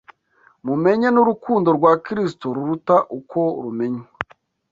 mumenye n’urukundo rwa Kristo ruruta uko rumenywa